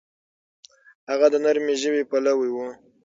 هغه د نرمې ژبې پلوی و.